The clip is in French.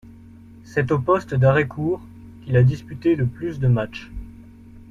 C'est au poste d'arrêt-court qu'il a disputé le plus de matchs.